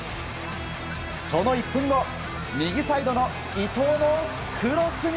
その１分後、右サイドの伊東のクロスに。